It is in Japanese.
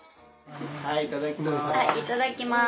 はいいただきます。